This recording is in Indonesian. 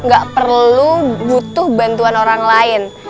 gak perlu butuh bantuan orang lain